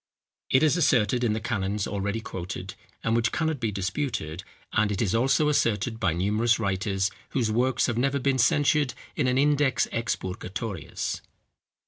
It is asserted in the canons already quoted, and which cannot be disputed; and it is also asserted by numerous writers, whose works have never been censured in an Index Expurgatorius.